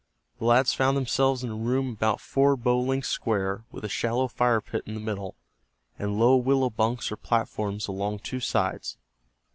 The lads found themselves in a room about four bow lengths square, with a shallow fire pit in the middle, and low willow bunks or platforms along two sides.